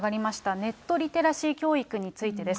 ネットリテラシー教育についてです。